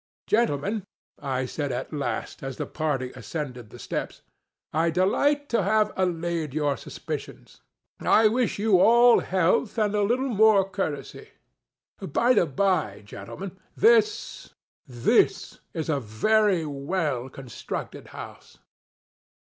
ŌĆ£Gentlemen, ŌĆØ I said at last, as the party ascended the steps, ŌĆ£I delight to have allayed your suspicions. I wish you all health, and a little more courtesy. By the bye, gentlemen, thisŌĆöthis is a very well constructed house.